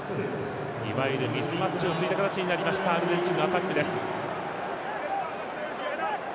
いわゆるミスマッチをついた形になりましたアルゼンチン。